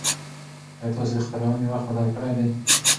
ایا تاسي د خپرونې وخت بدل کړی دی؟